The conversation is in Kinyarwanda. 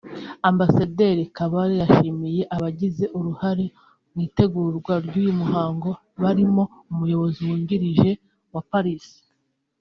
Ambasaderi Kabale yashimye abagize uruhare mu itegurwa ry’uyu muhango barimo Umuyobozi w’Umujyi wa Paris